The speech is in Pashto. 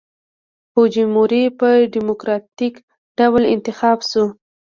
فوجیموري په ډیموکراټیک ډول انتخاب شو.